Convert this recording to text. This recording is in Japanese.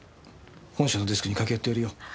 本社のデスクにかけあってやるよ。